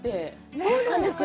そうなんですよ。